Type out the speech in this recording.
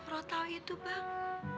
rao tau itu bang